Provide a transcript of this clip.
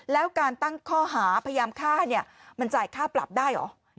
แล้วการตั้งข้อหาพยายามฆ่าเนี่ยมันจ่ายค่าปรับได้เหรอ